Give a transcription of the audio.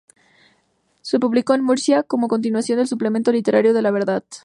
Se publicó en Murcia, como continuación del Suplemento Literario de La Verdad.